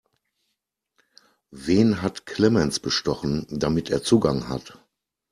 Wen hat Clemens bestochen, damit er Zugang hat?